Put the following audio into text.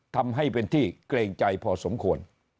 ทำให้เป็นที่เกรงใจพอสมควร